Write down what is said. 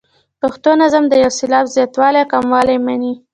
پښتو نظم د یو سېلاب زیاتوالی او کموالی مني.